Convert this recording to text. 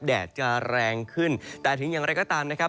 แดดจะแรงขึ้นแต่ถึงอย่างไรก็ตามนะครับ